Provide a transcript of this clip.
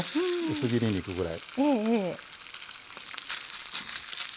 薄切り肉ぐらい。